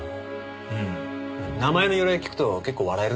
うん名前の由来聞くと結構笑えるんだけどさ。